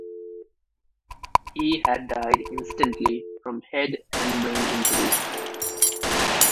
He had died instantly from head and brain injuries.